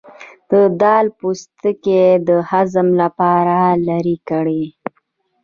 د دال پوستکی د هضم لپاره لرې کړئ